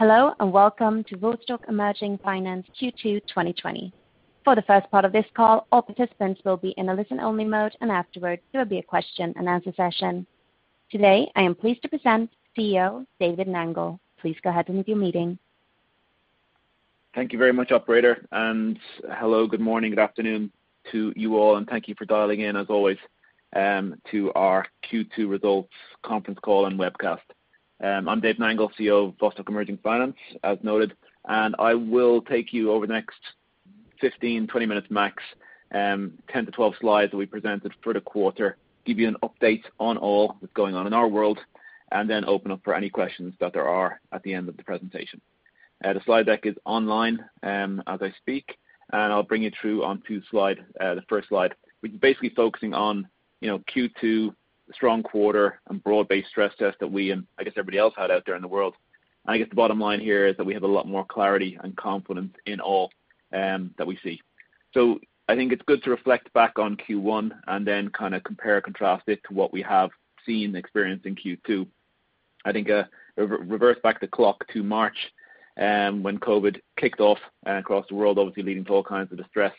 Hello, and welcome to Vostok Emerging Finance Q2 2020. For the first part of this call, all participants will be in a listen-only mode, and afterwards, there will be a question-and-answer session. Today, I am pleased to present CEO David Nangle. Please go ahead and begin meeting. Thank you very much, Operator. And hello, good morning, good afternoon to you all, and thank you for dialing in, as always, to our Q2 Results Conference Call and Webcast. I'm David Nangle, CEO of Vostok Emerging Finance, as noted. And I will take you over the next 15-20 minutes max, 10-12 slides that we presented for the quarter, give you an update on all that's going on in our world, and then open up for any questions that there are at the end of the presentation. The slide deck is online as I speak, and I'll bring you through onto the first slide, which is basically focusing on Q2, the strong quarter, and broad-based stress tests that we and, I guess, everybody else had out there in the world. I guess the bottom line here is that we have a lot more clarity and confidence in all that we see. I think it's good to reflect back on Q1 and then kind of compare and contrast it to what we have seen and experienced in Q2. I think reverse back the clock to March when COVID kicked off across the world, obviously leading to all kinds of distress,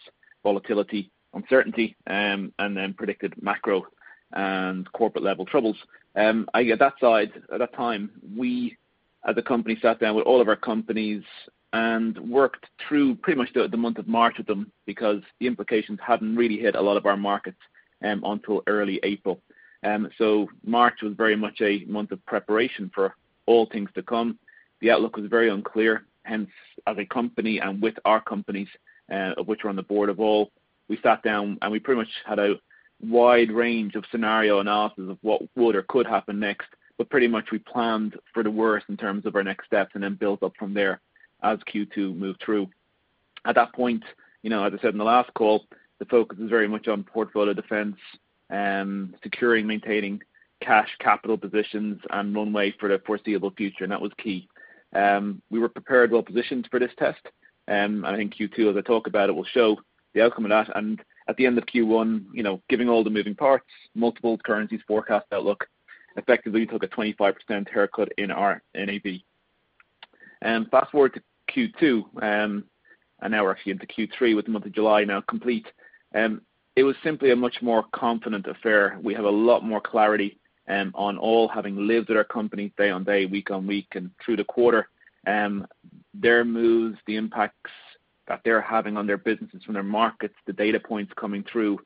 volatility, uncertainty, and then predicted macro and corporate-level troubles. At that time, we, as a company, sat down with all of our companies and worked through pretty much the month of March with them because the implications hadn't really hit a lot of our markets until early April. March was very much a month of preparation for all things to come. The outlook was very unclear. Hence, as a company and with our companies, of which we're on the board of all, we sat down and we pretty much had a wide range of scenario analysis of what would or could happen next, but pretty much we planned for the worst in terms of our next steps and then built up from there as Q2 moved through. At that point, as I said in the last call, the focus was very much on portfolio defense, securing, maintaining cash capital positions, and liquidity for the foreseeable future, and that was key. We were prepared and well-positioned for this test. I think Q2, as I talk about it, will show the outcome of that, and at the end of Q1, given all the moving parts, multiple currencies forecast outlook, effectively we took a 25% haircut in our NAV. Fast forward to Q2, and now we're actually into Q3 with the month of July now complete. It was simply a much more confident affair. We have a lot more clarity on all, having lived at our company day on day, week on week, and through the quarter. Their moves, the impacts that they're having on their businesses from their markets, the data points coming through,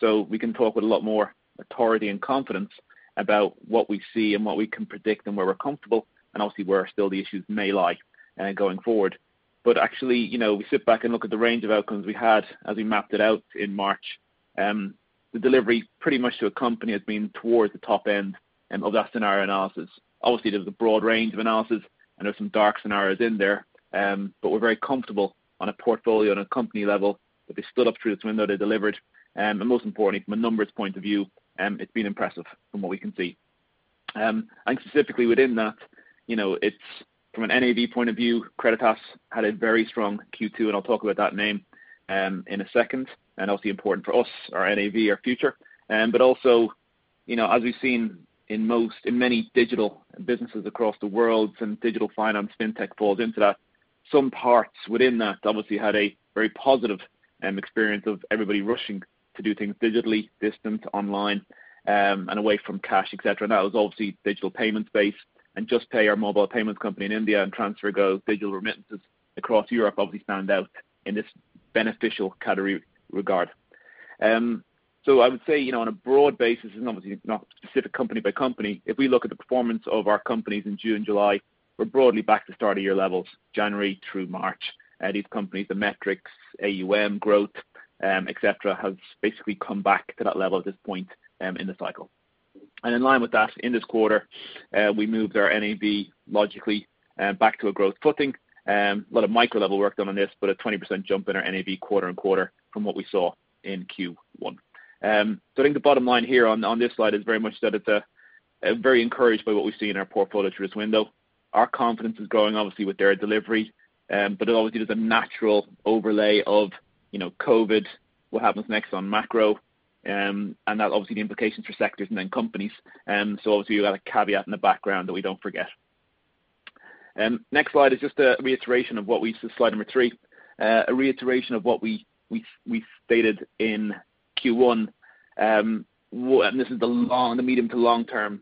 so we can talk with a lot more authority and confidence about what we see and what we can predict and where we're comfortable, and obviously where still the issues may lie going forward, but actually, we sit back and look at the range of outcomes we had as we mapped it out in March. The delivery pretty much to a company has been towards the top end of that scenario analysis. Obviously, there was a broad range of analysis, and there were some dark scenarios in there, but we're very comfortable on a portfolio and a company level that they stood up through this window, they delivered. And most importantly, from a numbers point of view, it's been impressive from what we can see. And specifically within that, from an NAV point of view, Creditas had a very strong Q2, and I'll talk about that name in a second, and obviously important for us, our NAV, our future. But also, as we've seen in many digital businesses across the world, some digital finance, fintech falls into that. Some parts within that obviously had a very positive experience of everybody rushing to do things digitally, distance, online, and away from cash, etc. And that was obviously digital payments-based. And Juspay, our mobile payments company in India, and TransferGo, digital remittances across Europe, obviously stand out in this beneficial category regard. So I would say on a broad basis, and obviously not specific company by company, if we look at the performance of our companies in June and July, we're broadly back to start-of-year levels, January through March. These companies, the metrics, AUM, growth, etc., have basically come back to that level at this point in the cycle. And in line with that, in this quarter, we moved our NAV logically back to a growth footing. A lot of micro-level work done on this, but a 20% jump in our NAV quarter on quarter from what we saw in Q1. So I think the bottom line here on this slide is very much that it's very encouraged by what we've seen in our portfolio through this window. Our confidence is growing, obviously, with their delivery, but obviously there's a natural overlay of COVID, what happens next on macro, and that obviously the implications for sectors and then companies. So obviously, we've got a caveat in the background that we don't forget. Next slide is just a reiteration of what we used to slide number three, a reiteration of what we stated in Q1. And this is the medium to long-term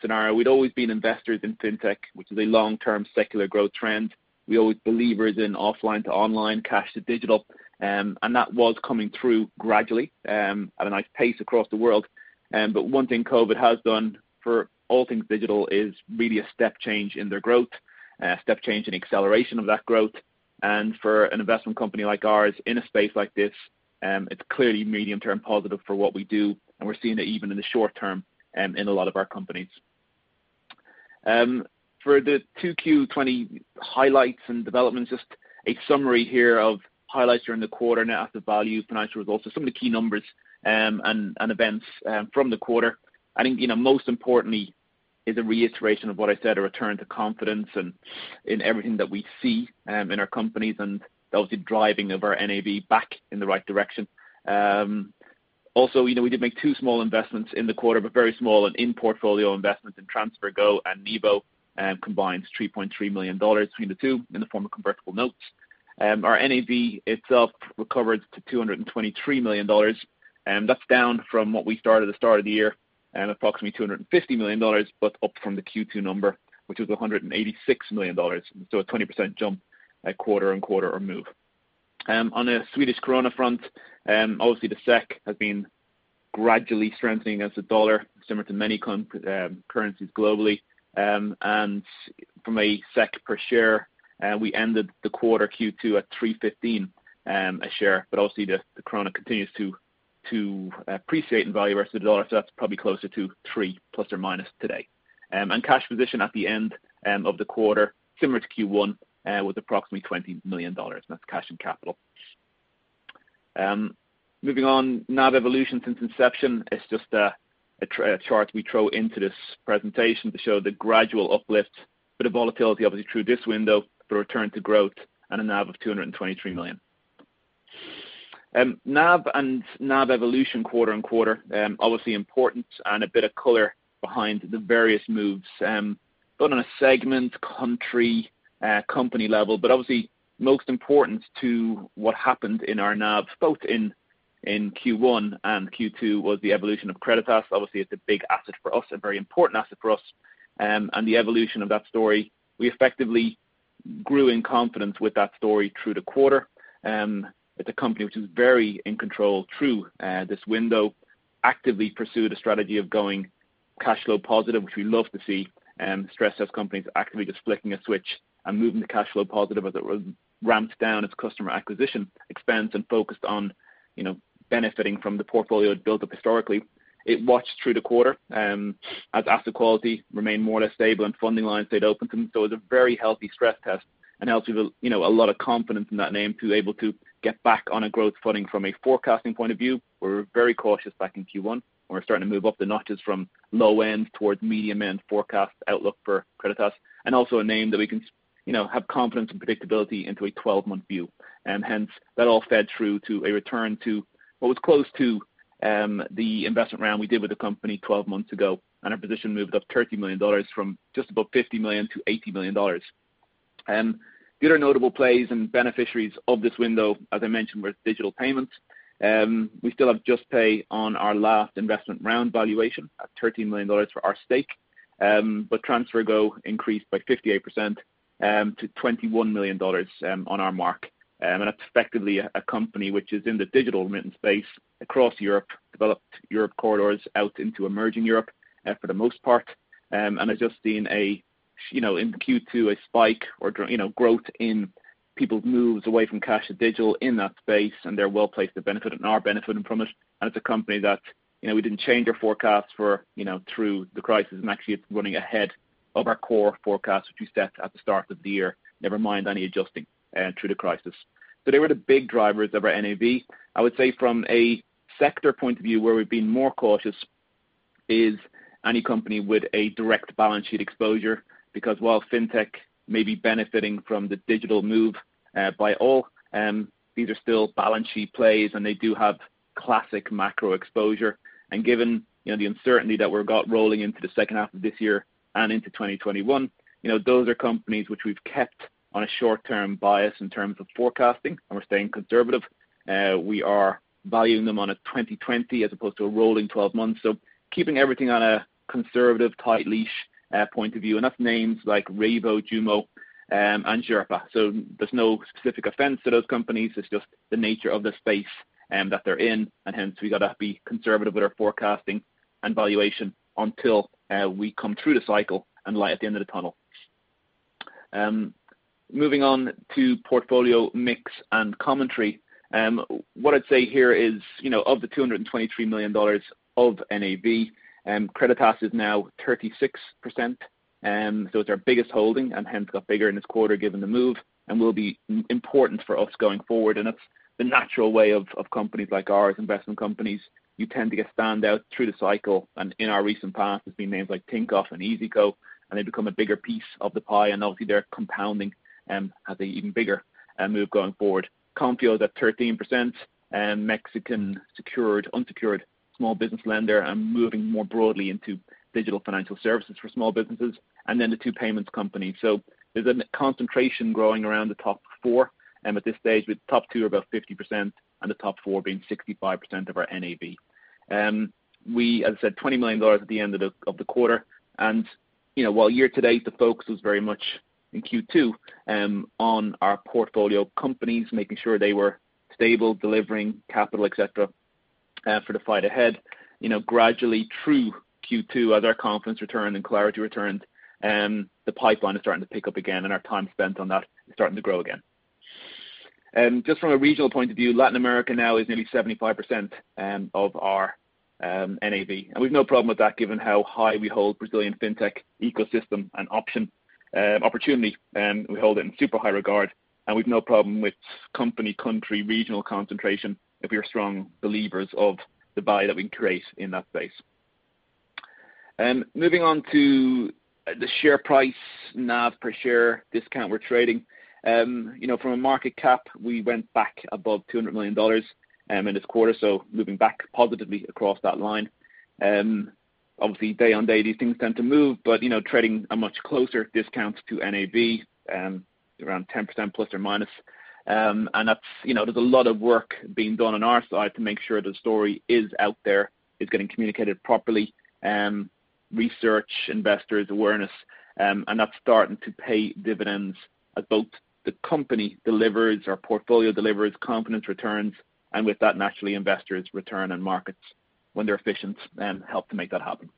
scenario. We'd always been investors in fintech, which is a long-term secular growth trend. We always believers in offline to online, cash to digital. And that was coming through gradually at a nice pace across the world. But one thing COVID has done for all things digital is really a step change in their growth, a step change in acceleration of that growth. For an investment company like ours in a space like this, it's clearly medium-term positive for what we do, and we're seeing it even in the short term in a lot of our companies. For the 2Q20 highlights and developments, just a summary here of highlights during the quarter and asset value, financial results, so some of the key numbers and events from the quarter. I think most importantly is a reiteration of what I said, a return to confidence in everything that we see in our companies and obviously driving of our NAV back in the right direction. Also, we did make two small investments in the quarter, but very small and in portfolio investments in TransferGo and Nibo, combined $3.3 million between the two in the form of convertible notes. Our NAV itself recovered to $223 million. That's down from what we started at the start of the year, approximately $250 million, but up from the Q2 number, which was $186 million. So a 20% jump quarter on quarter or move. On the Swedish Krona front, obviously the SEK has been gradually strengthening against the dollar, similar to many currencies globally. And from a SEK per share, we ended the quarter Q2 at 3.15 a share, but obviously the Krona continues to appreciate in value versus the dollar, so that's probably closer to 3 plus or minus today. And cash position at the end of the quarter, similar to Q1, was approximately $20 million. That's cash and capital. Moving on, NAV evolution since inception. It's just a chart we throw into this presentation to show the gradual uplift, but the volatility obviously through this window for return to growth and a NAV of $223 million. NAV and NAV evolution quarter on quarter, obviously important and a bit of color behind the various moves, both on a segment, country, company level, but obviously most important to what happened in our NAV, both in Q1 and Q2, was the evolution of Creditas. Obviously, it's a big asset for us, a very important asset for us. And the evolution of that story, we effectively grew in confidence with that story through the quarter. It's a company which is very in control through this window, actively pursued a strategy of going cash flow positive, which we love to see stress test companies actively just flicking a switch and moving to cash flow positive as it ramps down its customer acquisition expense and focused on benefiting from the portfolio it built up historically. It watched through the quarter as asset quality remained more or less stable and funding lines stayed open. So it was a very healthy stress test and helped with a lot of confidence in that name to be able to get back on a growth footing from a forecasting point of view. We were very cautious back in Q1. We're starting to move up the notches from low-end towards medium-end forecast outlook for Creditas. And also a name that we can have confidence in predictability into a 12-month view. And hence, that all fed through to a return to what was close to the investment round we did with the company 12 months ago, and our position moved up $30 million from just about $50 million to $80 million. And due to notable plays and beneficiaries of this window, as I mentioned, were digital payments. We still have Juspay on our last investment round valuation at $13 million for our stake, but TransferGo increased by 58% to $21 million on our mark. And that's effectively a company which is in the digital remittance space across Europe, developed Europe corridors out into emerging Europe for the most part. And has just seen in Q2 a spike or growth in people's moves away from cash to digital in that space, and they're well placed to benefit and are benefiting from it. And it's a company that we didn't change our forecasts for through the crisis, and actually it's running ahead of our core forecast, which we set at the start of the year, never mind any adjusting through the crisis. So they were the big drivers of our NAV. I would say from a sector point of view, where we've been more cautious is any company with a direct balance sheet exposure, because while fintech may be benefiting from the digital move by all, these are still balance sheet plays, and they do have classic macro exposure, and given the uncertainty that we've got rolling into the second half of this year and into 2021, those are companies which we've kept on a short-term bias in terms of forecasting, and we're staying conservative. We are valuing them on a 20/20 as opposed to a rolling 12 months, so keeping everything on a conservative, tight leash point of view, and that's names like Revo, JUMO, and Xerpa. So there's no specific offense to those companies. It's just the nature of the space that they're in. Hence, we've got to be conservative with our forecasting and valuation until we come through the cycle and light at the end of the tunnel. Moving on to portfolio mix and commentary. What I'd say here is, of the $223 million of NAV, Creditas is now 36%. So it's our biggest holding and hence got bigger in this quarter given the move and will be important for us going forward. That's the natural way of companies like ours, investment companies, you tend to get standout through the cycle. In our recent past, it's been names like Tinkoff and iZettle, and they've become a bigger piece of the pie. Obviously, they're compounding as they even bigger move going forward. Konfio is at 13%, Mexican secured, unsecured, small business lender, and moving more broadly into digital financial services for small businesses. Then the two payments companies. So there's a concentration growing around the top four at this stage, with top two about 50% and the top four being 65% of our NAV. We, as I said, $20 million at the end of the quarter. And while year to date, the focus was very much in Q2 on our portfolio companies, making sure they were stable, delivering capital, etc., for the fight ahead. Gradually, through Q2, as our confidence returned and clarity returned, the pipeline is starting to pick up again and our time spent on that is starting to grow again. Just from a regional point of view, Latin America now is nearly 75% of our NAV. And we've no problem with that given how high we hold Brazilian fintech ecosystem and option opportunity. We hold it in super high regard. We've no problem with company, country, regional concentration if we are strong believers of the value that we can create in that space. Moving on to the share price, NAV per share discount we're trading. From a market cap, we went back above $200 million in this quarter, so moving back positively across that line. Obviously, day on day, these things tend to move, but trading a much closer discount to NAV, around 10% plus or minus. And there's a lot of work being done on our side to make sure the story is out there, is getting communicated properly, research, investors, awareness. And that's starting to pay dividends as both the company delivers, our portfolio delivers, confidence returns, and with that, naturally, investors return and markets when they're efficient and help to make that happen.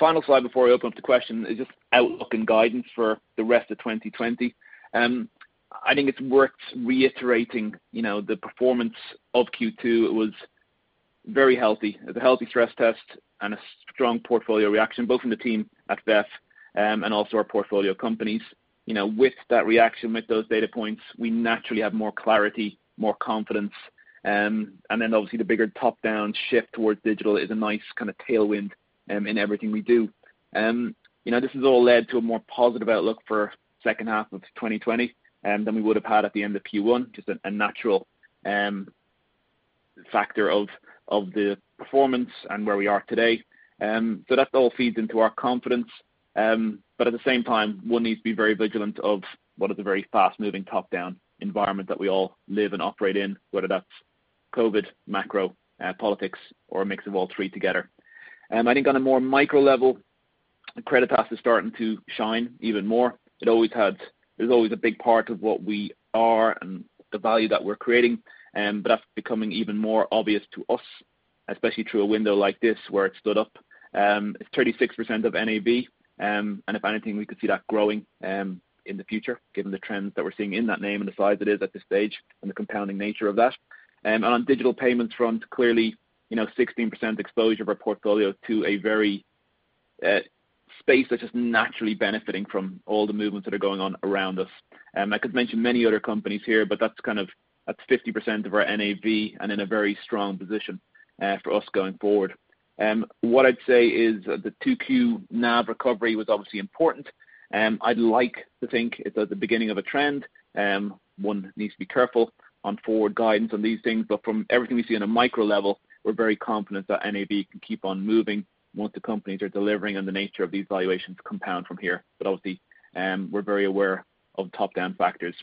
Final slide before I open up the question is just outlook and guidance for the rest of 2020. I think it's worth reiterating the performance of Q2. It was very healthy. It was a healthy stress test and a strong portfolio reaction, both from the team at VEF and also our portfolio companies. With that reaction, with those data points, we naturally have more clarity, more confidence. And then obviously, the bigger top-down shift towards digital is a nice kind of tailwind in everything we do. This has all led to a more positive outlook for the second half of 2020 than we would have had at the end of Q1, just a natural factor of the performance and where we are today. So that all feeds into our confidence. But at the same time, one needs to be very vigilant of what is a very fast-moving top-down environment that we all live and operate in, whether that's COVID, macro politics, or a mix of all three together. I think on a more micro level, Creditas is starting to shine even more. It's always a big part of what we are and the value that we're creating. But that's becoming even more obvious to us, especially through a window like this where it stood up. It's 36% of NAV. And if anything, we could see that growing in the future, given the trends that we're seeing in that name and the size it is at this stage and the compounding nature of that. On digital payments front, clearly, 16% exposure of our portfolio to a very space that's just naturally benefiting from all the movements that are going on around us. I could mention many other companies here, but that's kind of 50% of our NAV and in a very strong position for us going forward. What I'd say is the 2Q NAV recovery was obviously important. I'd like to think it's at the beginning of a trend. One needs to be careful on forward guidance on these things. From everything we see on a micro level, we're very confident that NAV can keep on moving once the companies are delivering and the nature of these valuations compound from here. Obviously, we're very aware of top-down factors.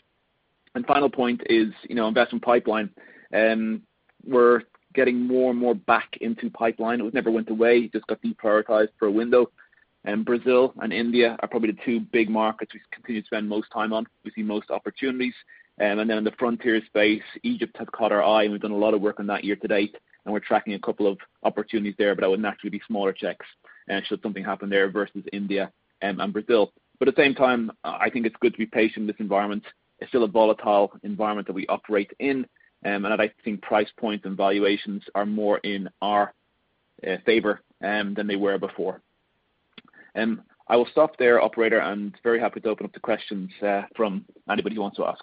Final point is investment pipeline. We're getting more and more back into pipeline. It was never went away. It just got deprioritized for a window. Brazil and India are probably the two big markets we continue to spend most time on. We see most opportunities. And then in the frontier space, Egypt has caught our eye, and we've done a lot of work on that year to date. And we're tracking a couple of opportunities there, but I would naturally be smaller checks should something happen there versus India and Brazil. But at the same time, I think it's good to be patient in this environment. It's still a volatile environment that we operate in. And I think price points and valuations are more in our favor than they were before. I will stop there, Operator, and very happy to open up the questions from anybody who wants to ask.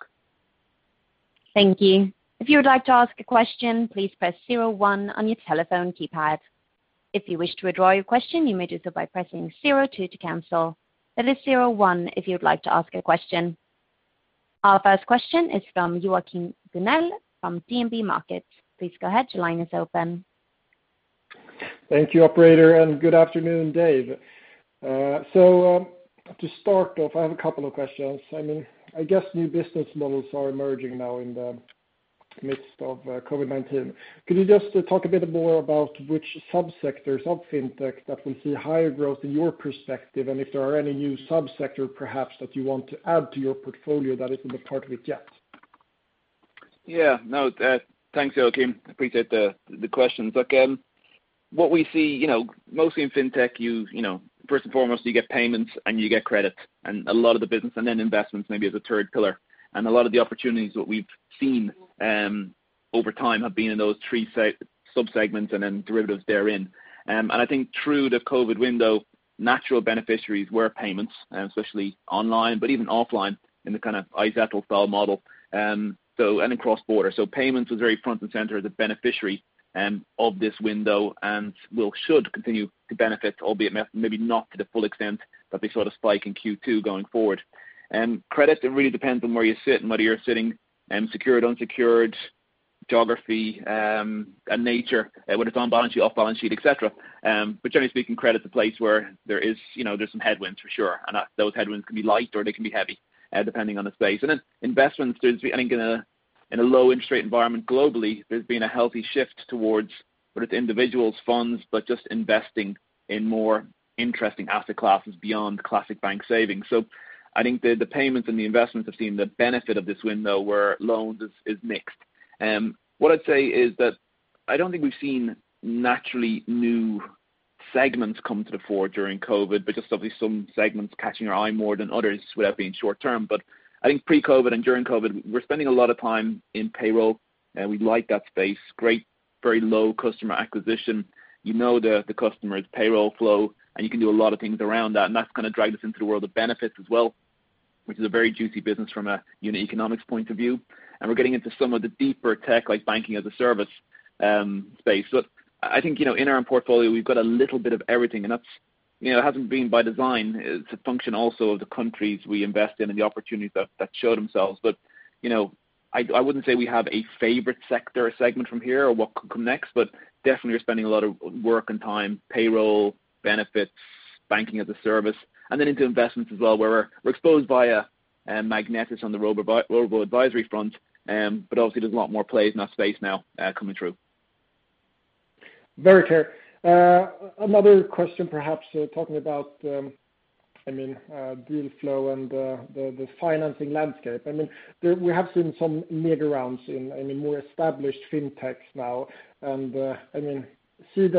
Thank you. If you would like to ask a question, please press zero one on your telephone keypad. If you wish to withdraw your question, you may do so by pressing zero two to cancel. That is zero one if you would like to ask a question. Our first question is from Joachim Gunell from DNB Markets. Please go ahead. Your line is open. Thank you, Operator. And good afternoon, Dave. So to start off, I have a couple of questions. I mean, I guess new business models are emerging now in the midst of COVID-19. Could you just talk a bit more about which subsectors of fintech that will see higher growth in your perspective, and if there are any new subsectors perhaps that you want to add to your portfolio that isn't a part of it yet? Yeah. No, thanks, Joachim. Appreciate the questions again. What we see mostly in fintech, first and foremost, you get payments and you get credit. And a lot of the business and then investments maybe as a third pillar. And a lot of the opportunities that we've seen over time have been in those three subsegments and then derivatives therein. And I think through the COVID window, natural beneficiaries were payments, especially online, but even offline in the kind of iZettle style model, and across borders. So payments was very front and center as a beneficiary of this window and will, should continue to benefit, albeit maybe not to the full extent that they saw the spike in Q2 going forward. Credit, it really depends on where you sit and whether you're sitting secured, unsecured, geography and nature, whether it's on balance sheet, off balance sheet, etc. But generally speaking, credit's a place where there's some headwinds for sure. And those headwinds can be light or they can be heavy depending on the space. And then investments. I think in a low interest rate environment globally, there's been a healthy shift towards both individuals, funds, but just investing in more interesting asset classes beyond classic bank savings. So I think the payments and the investments have seen the benefit of this window where loans is mixed. What I'd say is that I don't think we've seen naturally new segments come to the fore during COVID, but just obviously some segments catching your eye more than others would have been short term. But I think pre-COVID and during COVID, we're spending a lot of time in payroll. We like that space. Great, very low customer acquisition. You know the customer's payroll flow, and you can do a lot of things around that. And that's going to drag us into the world of benefits as well, which is a very juicy business from a unit economics point of view. And we're getting into some of the deeper tech like banking as a service space. But I think in our portfolio, we've got a little bit of everything. And that hasn't been by design. It's a function also of the countries we invest in and the opportunities that showed themselves. But I wouldn't say we have a favorite sector or segment from here or what could come next, but definitely we're spending a lot of work and time, Payroll, Benefits, Banking as a Service, and then into investments as well where we're exposed via Magnetis on the Robo-Advisor front. But obviously, there's a lot more plays in that space now coming through. Very clear. Another question, perhaps talking about, I mean, deal flow and the financing landscape. I mean, we have seen some meager rounds in more established fintechs now. And I mean, seed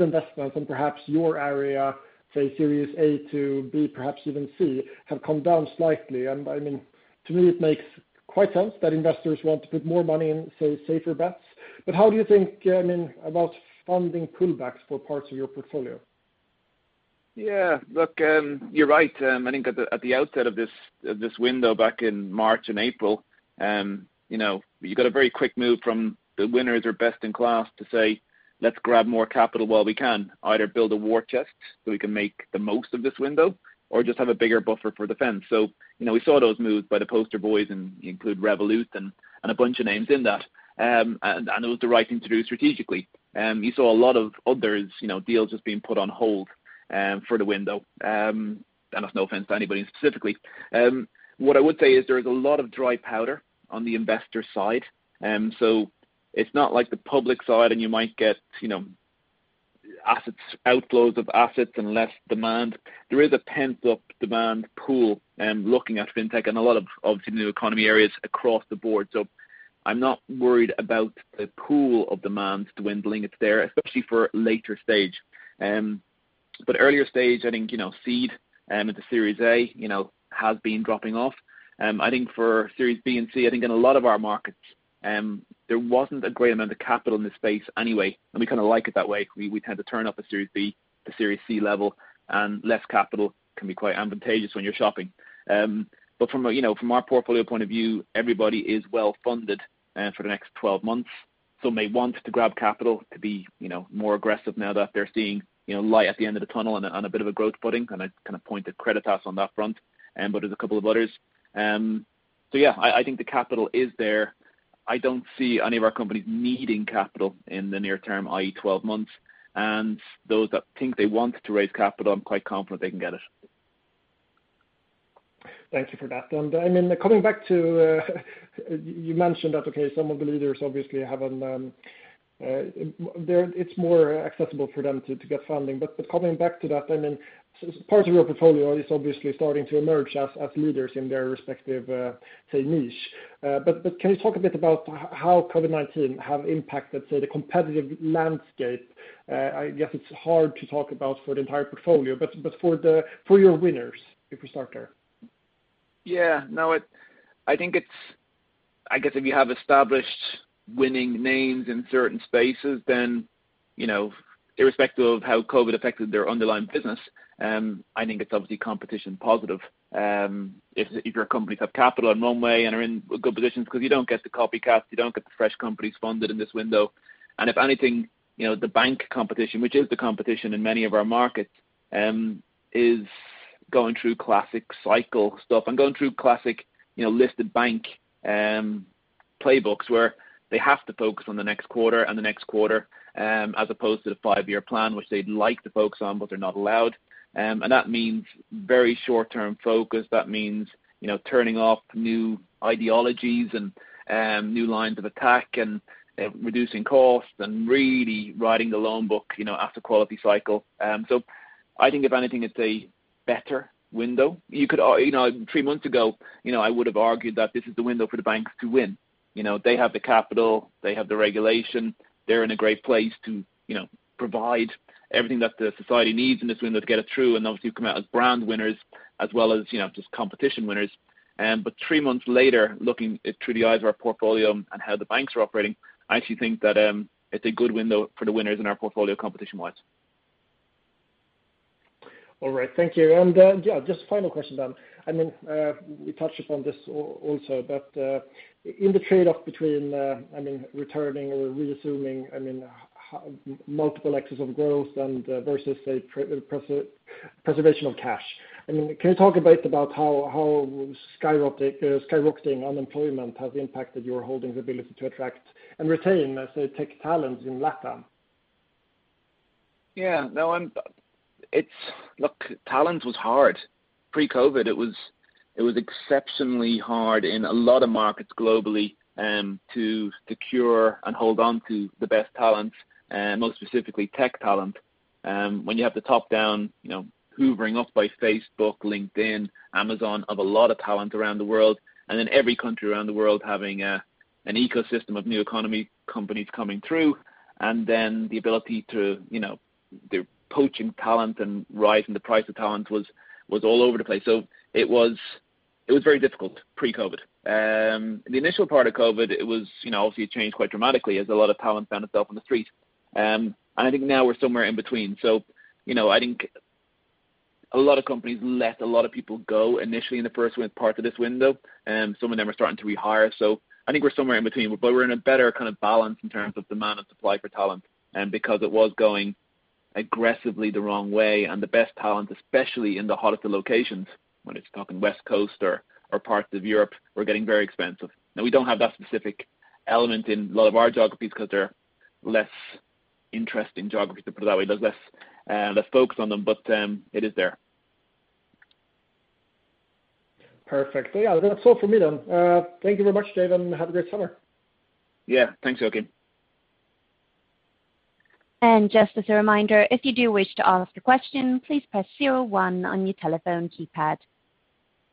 investments and perhaps your area, say, Series A to B, perhaps even C, have come down slightly. And I mean, to me, it makes quite sense that investors want to put more money in, say, safer bets. But how do you think, I mean, about funding pullbacks for parts of your portfolio? Yeah. Look, you're right. I think at the outset of this window back in March and April, you got a very quick move from the winners or best in class to say, "Let's grab more capital while we can. Either build a war chest so we can make the most of this window or just have a bigger buffer for defense." So we saw those moves by the poster boys and include Revolut and a bunch of names in that. And it was the right thing to do strategically. You saw a lot of others' deals just being put on hold for the window. And that's no offense to anybody specifically. What I would say is there is a lot of dry powder on the investor side. So it's not like the public side and you might get outflows of assets and less demand. There is a pent-up demand pool looking at fintech and a lot of, obviously, new economy areas across the board. So I'm not worried about the pool of demand dwindling. It's there, especially for later stage. But earlier stage, I think seed into Series A has been dropping off. I think for Series B and C, I think in a lot of our markets, there wasn't a great amount of capital in the space anyway. And we kind of like it that way. We tend to turn up the Series B to Series C level. And less capital can be quite advantageous when you're shopping. But from our portfolio point of view, everybody is well funded for the next 12 months. So may want to grab capital to be more aggressive now that they're seeing light at the end of the tunnel and a bit of a growth budding. And I kind of point to Creditas on that front, but there's a couple of others. So yeah, I think the capital is there. I don't see any of our companies needing capital in the near term, i.e., 12 months. Those that think they want to raise capital, I'm quite confident they can get it. Thank you for that. I mean, coming back to you mentioned that. Okay, some of the leaders obviously have, it's more accessible for them to get funding. Coming back to that, I mean, part of your portfolio is obviously starting to emerge as leaders in their respective, say, niche. Can you talk a bit about how COVID-19 has impacted, say, the competitive landscape? I guess it's hard to talk about for the entire portfolio, but for your winners, if we start there. Yeah. No, I think it's. I guess if you have established winning names in certain spaces, then irrespective of how COVID affected their underlying business, I think it's obviously competition positive. If your companies have capital in one way and are in good positions because you don't get the copycats, you don't get the fresh companies funded in this window, and if anything, the bank competition, which is the competition in many of our markets, is going through classic cycle stuff and going through classic listed bank playbooks where they have to focus on the next quarter and the next quarter as opposed to the five-year plan, which they'd like to focus on, but they're not allowed, and that means very short-term focus. That means turning off new ideologies and new lines of attack and reducing costs and really writing the loan book after quality cycle, so I think if anything, it's a better window. Three months ago, I would have argued that this is the window for the banks to win. They have the capital. They have the regulation. They're in a great place to provide everything that the society needs in this window to get it through. And obviously, you come out as brand winners as well as just competition winners. But three months later, looking through the eyes of our portfolio and how the banks are operating, I actually think that it's a good window for the winners in our portfolio competition-wise. All right. Thank you. And yeah, just final question, Dave. I mean, we touched upon this also, but in the trade-off between, I mean, returning or reassuming, I mean, multiple exits of growth versus a preservation of cash. I mean, can you talk a bit about how skyrocketing unemployment has impacted your holdings' ability to attract and retain, say, tech talent in LATAM? Yeah. No, look, talent was hard. Pre-COVID, it was exceptionally hard in a lot of markets globally to secure and hold on to the best talent, most specifically tech talent. When you have the top-down hoovering up by Facebook, LinkedIn, Amazon, of a lot of talent around the world, and then every country around the world having an ecosystem of new economy companies coming through, and then the ability to poach talent and raise the price of talent was all over the place, so it was very difficult pre-COVID. The initial part of COVID, it was obviously changed quite dramatically as a lot of talent found itself on the street, and I think now we're somewhere in between. I think a lot of companies let a lot of people go initially in the first part of this window. Some of them are starting to rehire, so I think we're somewhere in between. But we're in a better kind of balance in terms of demand and supply for talent because it was going aggressively the wrong way. And the best talent, especially in the hottest of locations, when it's talking West Coast or parts of Europe, were getting very expensive. Now, we don't have that specific element in a lot of our geographies because they're less interesting geographies, to put it that way. There's less focus on them, but it is there. Perfect. Well, yeah, that's all for me, Dave. Thank you very much, Dave, and have a great summer. Yeah. Thanks, Joachim. And just as a reminder, if you do wish to ask a question, please press 01 on your telephone keypad.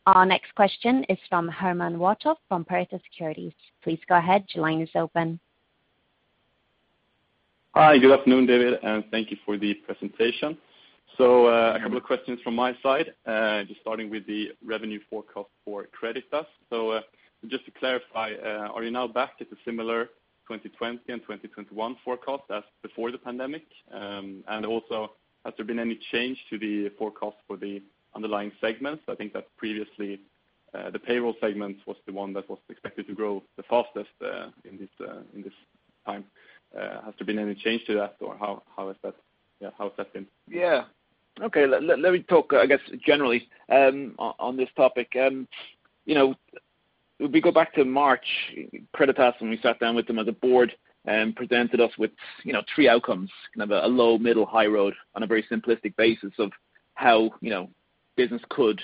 Our next question is from Herman Wartoft from Pareto Securities. Please go ahead. Your line is open. Hi. Good afternoon, David. And thank you for the presentation. So a couple of questions from my side, just starting with the revenue forecast for Creditas. So just to clarify, are you now back at a similar 2020 and 2021 forecast as before the pandemic? And also, has there been any change to the forecast for the underlying segments? I think that previously, the Payroll segment was the one that was expected to grow the fastest in this time. Has there been any change to that, or how has that been? Yeah. Okay. Let me talk, I guess, generally on this topic. If we go back to March, Creditas, when we sat down with them as a board and presented us with three outcomes, kind of a low, middle, high road on a very simplistic basis of how business could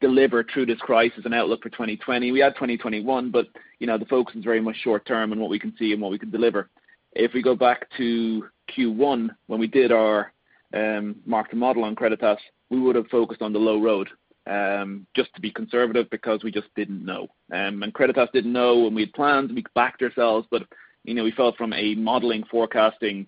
deliver through this crisis and outlook for 2020. We had 2021, but the focus is very much short term and what we can see and what we can deliver. If we go back to Q1, when we did our mark-to-market model on Creditas, we would have focused on the low road just to be conservative because we just didn't know. And Creditas didn't know when we had planned. We backed ourselves, but we felt from a modeling, forecasting,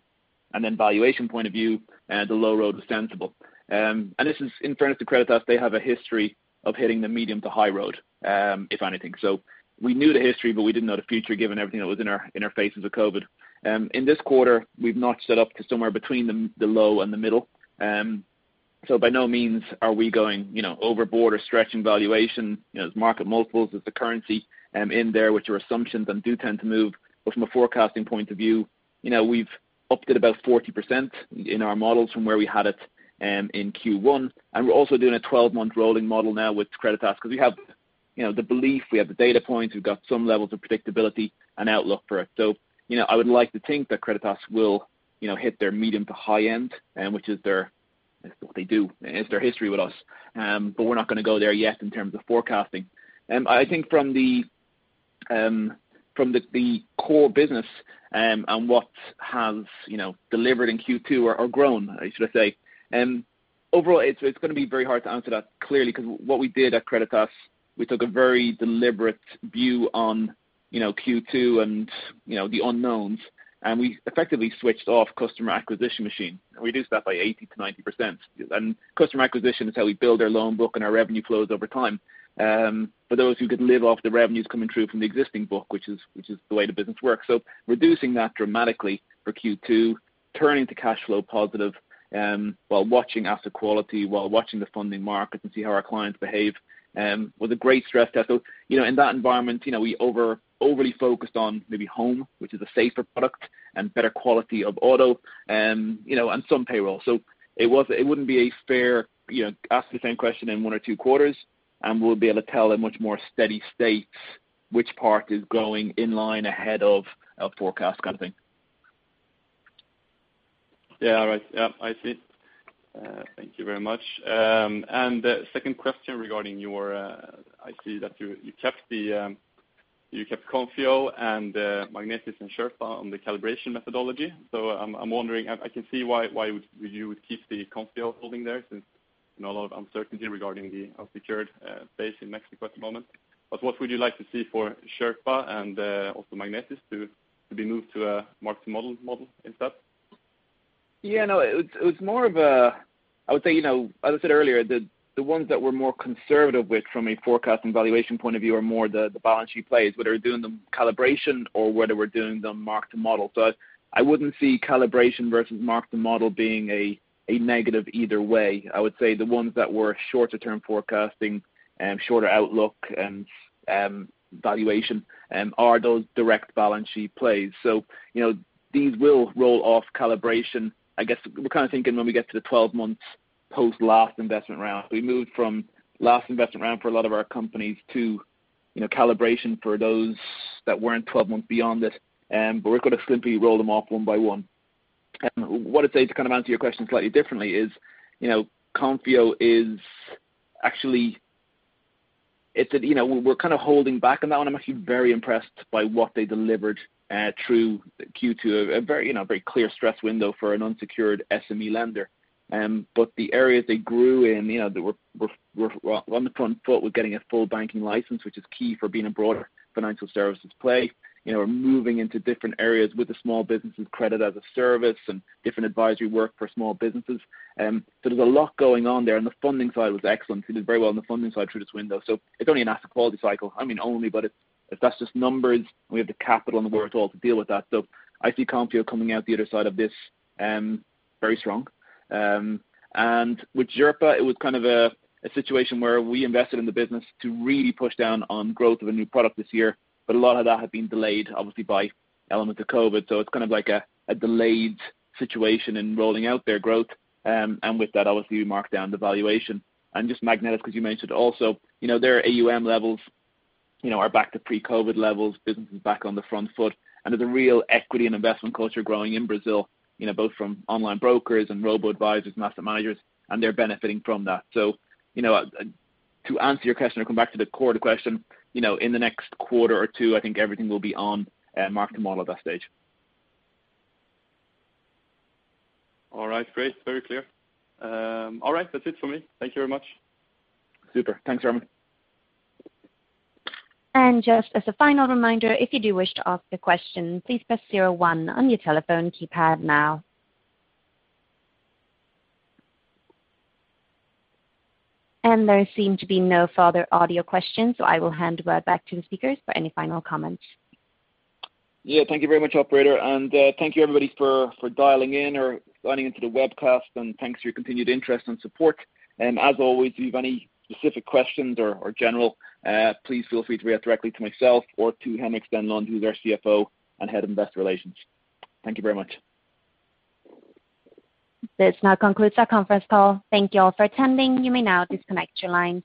and then valuation point of view, the low road was sensible. And this is in fairness to Creditas. They have a history of hitting the medium to high road, if anything. So we knew the history, but we didn't know the future given everything that was in our faces with COVID. In this quarter, we've notched it up to somewhere between the low and the middle. So by no means are we going overboard or stretching valuation. There's market multiples. There's the currency in there, which are assumptions and do tend to move. But from a forecasting point of view, we've upped it about 40% in our models from where we had it in Q1. And we're also doing a 12-month rolling model now with Creditas because we have the belief, we have the data points, we've got some levels of predictability and outlook for it. So I would like to think that Creditas will hit their medium to high end, which is their what they do, is their history with us. But we're not going to go there yet in terms of forecasting. I think from the core business and what has delivered in Q2 or grown, I should say, overall, it's going to be very hard to answer that clearly because what we did at Creditas, we took a very deliberate view on Q2 and the unknowns. We effectively switched off the customer acquisition machine. We reduced that by 80%-90%. Customer acquisition is how we build our loan book and our revenue flows over time. For those who could live off the revenues coming through from the existing book, which is the way the business works. Reducing that dramatically for Q2, turning to cash flow positive while watching asset quality, while watching the funding market and see how our clients behave was a great stress test. In that environment, we overly focused on maybe home, which is a safer product and better quality of auto and some payroll. It wouldn't be a fair ask the same question in one or two quarters, and we'll be able to tell in much more steady states which part is going in line ahead of our forecast kind of thing. Yeah. All right. Yep. I see. Thank you very much. And second question regarding. I see that you kept Konfio and Magnetis and Xerpa on the calibration methodology. So I'm wondering, I can see why you would keep the Konfio holding there since a lot of uncertainty regarding the unsecured space in Mexico at the moment. But what would you like to see for Xerpa and also Magnetis to be moved to a market model instead? Yeah. No, it was more of a, I would say, as I said earlier, the ones that we're more conservative with from a forecast and valuation point of view are more the balance sheet plays, whether we're doing the calibration or whether we're doing the market model. So I wouldn't see calibration versus market model being a negative either way. I would say the ones that were shorter-term forecasting, shorter outlook, and valuation are those direct balance sheet plays, so these will roll off calibration. I guess we're kind of thinking when we get to the 12-month post-last investment round. We moved from last investment round for a lot of our companies to calibration for those that weren't 12 months beyond it, but we're going to simply roll them off one by one, and what I'd say to kind of answer your question slightly differently is, Konfio is, actually. We're kind of holding back on that one. I'm actually very impressed by what they delivered through Q2, a very clear stress window for an unsecured SME lender. But the areas they grew in that were on the front foot with getting a full banking license, which is key for being a broader financial services play. We're moving into different areas with the small businesses credit as a service and different advisory work for small businesses. So there's a lot going on there. And the funding side was excellent. They did very well on the funding side through this window. So it's only an asset quality cycle, I mean, only, but if that's just numbers, we have the capital and the wherewithal to deal with that. So I see Konfio coming out the other side of this very strong. And with Xerpa, it was kind of a situation where we invested in the business to really push down on growth of a new product this year. But a lot of that had been delayed, obviously, by elements of COVID. So it's kind of like a delayed situation in rolling out their growth. And with that, obviously, we marked down the valuation. And just Magnetis, as you mentioned also, their AUM levels are back to pre-COVID levels. Business is back on the front foot. And there's a real equity and investment culture growing in Brazil, both from online brokers and Robo-Advisors, asset managers, and they're benefiting from that. So to answer your question or come back to the core of the question, in the next quarter or two, I think everything will be marked to market at that stage. All right. Great. Very clear. All right. That's it for me. Thank you very much. Super. Thanks, Herman. And just as a final reminder, if you do wish to ask a question, please press zero one on your telephone keypad now. And there seem to be no further audio questions, so I will hand the word back to the speakers for any final comments. Yeah. Thank you very much, Operator. And thank you, everybody, for dialing in or signing into the webcast. And thanks for your continued interest and support. And as always, if you have any specific questions or general, please feel free to reach directly to myself or to Henrik Stenlund, who's our CFO and Head of Investor Relations. Thank you very much. This now concludes our conference call. Thank you all for attending. You may now disconnect your line.